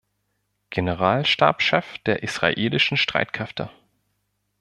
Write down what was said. Generalstabschef der Israelischen Streitkräfte.